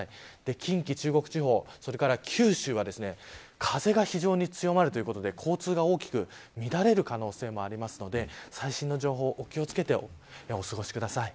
近畿、中国地方それから九州は風が非常に強まるということで交通が大きく乱れる可能性もあるので最新の情報にお気を付けてお過ごしください。